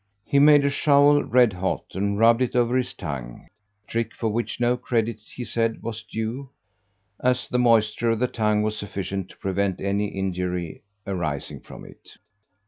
He made a shovel red hot and rubbed it over his tongue, a trick for which no credit, he said, was due, as the moisture of the tongue was sufficient to prevent any injury arising from it.